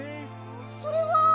それは。